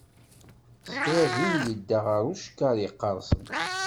S kra din yedda deg ucekkar yeqqersen.